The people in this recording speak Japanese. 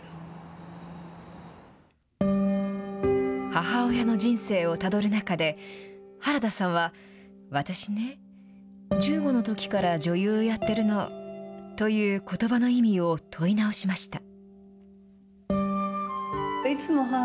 母親の人生をたどる中で、原田さんは、私ね、１５のときから女優やってるのということばの意味を問い直しました。